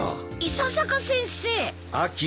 伊佐坂先生！